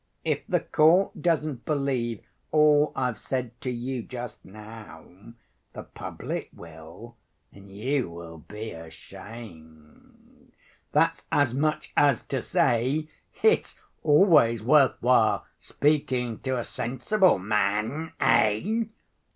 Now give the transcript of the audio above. "If the court doesn't believe all I've said to you just now, the public will, and you will be ashamed." "That's as much as to say, 'It's always worth while speaking to a sensible man,' eh?"